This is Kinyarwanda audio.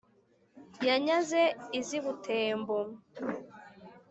yanyaze iz'i butembo